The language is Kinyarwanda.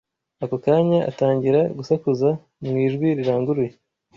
Ako kanya atangira gusakuza mu ijwi riranguruye.